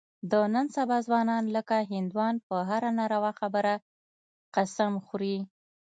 د نن سبا ځوانان لکه هندوان په هره ناروا خبره قسم خوري.